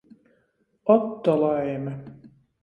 Ot, to laime!